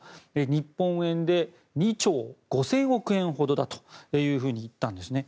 日本円で２兆５０００億円ほどだと言ったんですね。